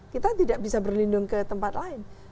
kita tidak bisa berlindung ke tempat lain